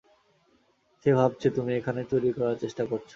সে ভাবছে তুমি এখানে চুরি করার চেষ্টা করছো।